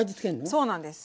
そうなんです。